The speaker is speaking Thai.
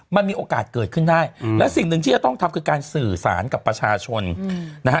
มันมีโอกาสเกิดขึ้นได้และสิ่งหนึ่งที่จะต้องทำคือการสื่อสารกับประชาชนนะฮะ